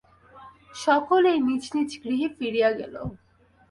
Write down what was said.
সকলেই নিজ নিজ গৃহে ফিরিয়া গেল।